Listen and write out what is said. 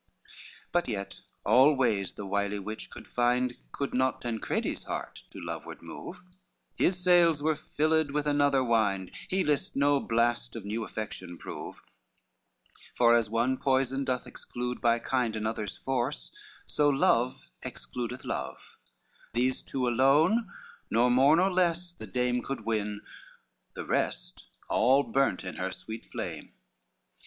LXV But yet all ways the wily witch could find Could not Tancredi's heart to loveward move, His sails were filled with another wind, He list no blast of new affection prove; For, as one poison doth exclude by kind Another's force, so love excludeth love: These two alone nor more nor less the dame Could win, the rest all burnt in her sweet flame.